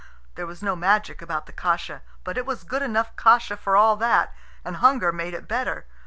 There was no magic about the kasha; but it was good enough kasha for all that, and hunger made it better.